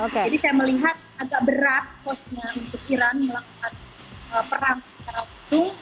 jadi saya melihat agak berat posnya untuk iran melakukan perang secara utuh